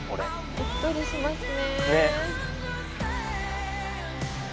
うっとりしますね。